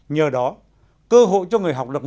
nhờ đó cơ hội cho người học lập